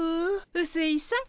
うすいさん。